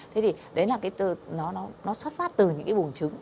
thế thì đấy là cái từ nó xuất phát từ những cái bùng trứng